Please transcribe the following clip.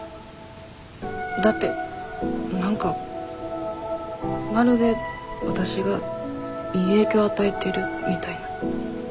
だって何かまるでわたしがいい影響与えてるみたいな。